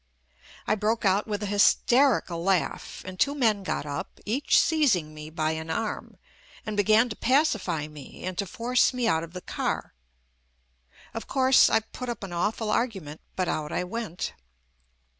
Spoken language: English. I broke out with a hysterical laugh, and two men got up, each seizing me by an arm, and began to pacify me and to force me out of JUST ME the car. Of course, I put up an awful argu ment, but out I went.